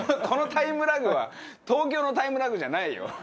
このタイムラグは東京のタイムラグじゃないよ。